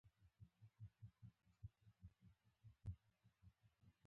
فقره د لیکني یو بشپړ واحد دئ.